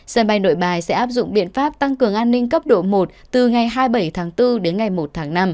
sân bay nội bài sẽ áp dụng biện pháp tăng cường an ninh cấp độ một từ ngày hai mươi bảy tháng bốn đến ngày một tháng năm